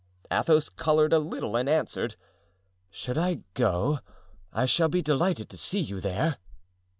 Athos colored a little and answered: "Should I go, I shall be delighted to see you there."